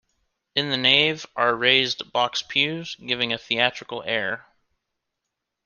In the nave are raised box pews, giving a theatrical air.